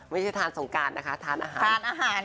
ไม่ใช่ทานสงการนะคะทานอาหาร